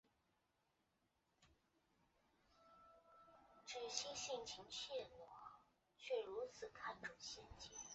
此处北辰路及奥林匹克公园中轴广场上跨四环路。